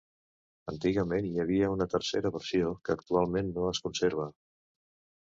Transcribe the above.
Antigament hi havia una tercera versió que actualment no es conserva.